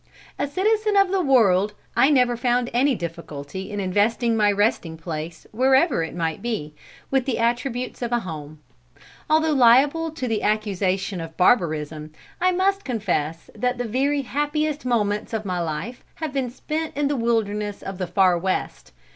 "A citizen of the world, I never found any difficulty in investing my resting place wherever it might be, with the attributes of a home. Although liable to the accusation of barbarism, I must confess that the very happiest moments of my life have been spent in the wilderness of the Far West.